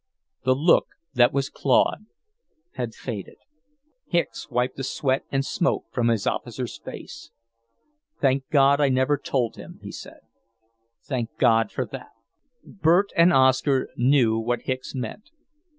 the look that was Claude had faded. Hicks wiped the sweat and smoke from his officer's face. "Thank God I never told him," he said. "Thank God for that!" Bert and Oscar knew what Hicks meant.